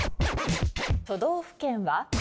都道府県は？